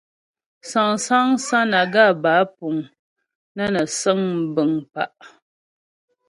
Sáŋsaŋ sánaga bə́ á puŋ nə́ nə səŋ bəŋ pa'.